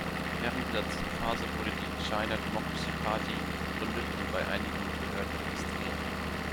Während dieser Phase wurde die China Democracy Party gegründet und bei einigen Behörden registriert.